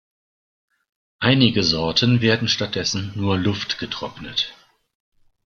Einige Sorten werden stattdessen nur luftgetrocknet.